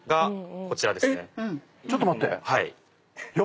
ちょっと待って！